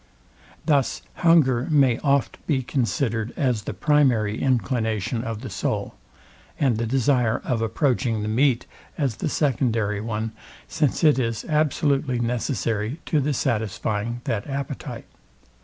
Thus hunger may oft be considered as the primary inclination of the soul, and the desire of approaching the meat as the secondary one; since it is absolutely necessary to the satisfying that appetite.